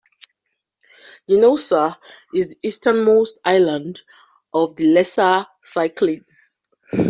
Donousa is the easternmost island of the Lesser Cyclades.